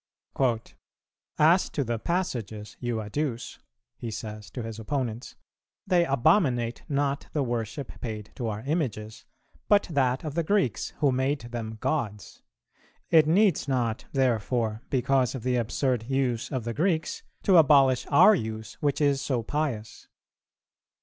"As to the passages you adduce," he says to his opponents, "they abominate not the worship paid to our Images, but that of the Greeks, who made them gods. It needs not therefore, because of the absurd use of the Greeks, to abolish our use which is so pious.